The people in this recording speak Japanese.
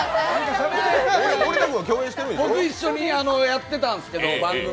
僕、一緒にやってたんですけど、番組。